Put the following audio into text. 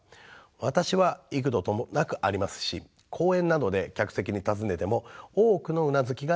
私は幾度となくありますし講演などで客席に尋ねても多くのうなずきが返ってきます。